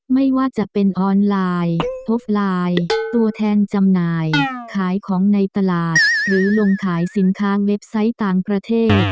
ไม่ว่าจะเป็นออนไลน์ทบไลน์ตัวแทนจำหน่ายขายของในตลาดหรือลงขายสินค้าเว็บไซต์ต่างประเทศ